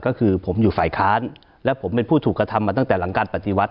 ก็คือผมอยู่ฝ่ายค้านและผมเป็นผู้ถูกกระทำมาตั้งแต่หลังการปฏิวัติ